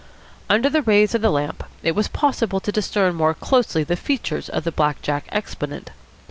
Under the rays of the lamp it was possible to discern more closely the features of the black jack exponent.